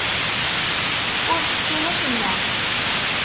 Ur teččim acemma.